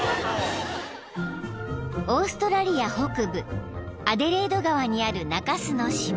［オーストラリア北部アデレード川にある中州の島］